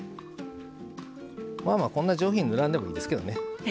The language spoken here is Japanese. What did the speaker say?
まあまあこんな上品に塗らんでもいいんですけどね。